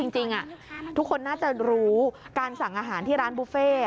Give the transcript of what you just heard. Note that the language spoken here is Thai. จริงทุกคนน่าจะรู้การสั่งอาหารที่ร้านบุฟเฟ่